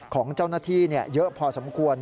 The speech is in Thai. ของเจ้าหน้าที่เยอะพอสมควร